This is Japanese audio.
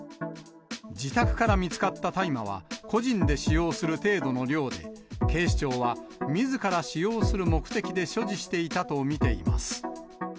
自宅から見つかった大麻は個人で使用する程度の量で、警視庁はみずから使用する目的で所持していたと見ています。